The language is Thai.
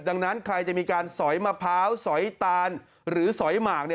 ดังนั้นใครจะมีการสอยมะพร้าวสอยตานหรือสอยหมาก